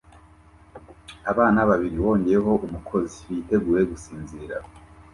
Abana babiri wongeyeho umkozi bitegure gusinzira